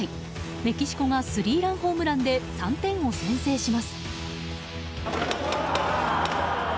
メキシコがスリーランホームランで３点を先制します。